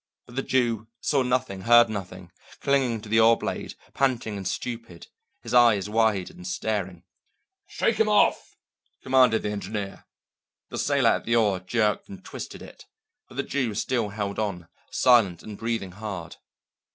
But the Jew saw nothing, heard nothing, clinging to the oar blade, panting and stupid, his eyes wide and staring. "Shake him off!" commanded the engineer. The sailor at the oar jerked and twisted it, but the Jew still held on, silent and breathing hard.